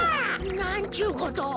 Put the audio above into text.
なんちゅうことを。